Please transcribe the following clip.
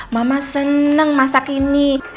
mama seneng masak ini